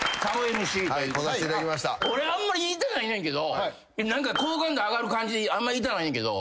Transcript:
俺あんま言いたないねんけど何か好感度上がる感じであんま言いたないねんけど。